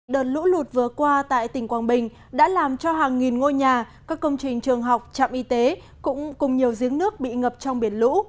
đợt lũ lụt vừa qua tại tỉnh quảng bình đã làm cho hàng nghìn ngôi nhà các công trình trường học trạm y tế cũng cùng nhiều giếng nước bị ngập trong biển lũ